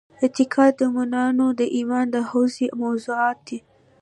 اعتقاد د مومنانو د ایمان د حوزې موضوعات دي.